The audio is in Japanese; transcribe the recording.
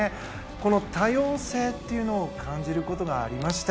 この多様性というのを感じることがありました。